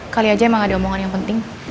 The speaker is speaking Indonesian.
kali aja emang ada omongan yang penting